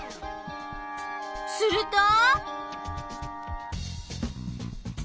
すると！？